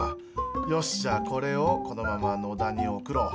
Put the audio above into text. よしじゃあこれをこのまま野田に送ろう。